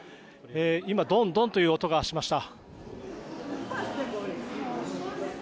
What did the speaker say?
今、ドンドンという音がしました。